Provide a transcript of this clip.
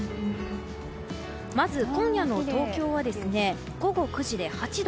まず、今夜の東京は午後９時で８度。